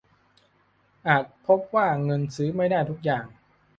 อาจพบว่าเงินซื้อไม่ได้ทุกอย่าง